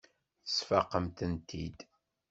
Tesfaqemt-tent-id.